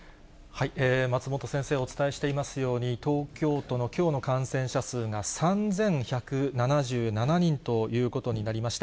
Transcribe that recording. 松本先生、お伝えしていますように、東京都のきょうの感染者数が３１７７人ということになりました。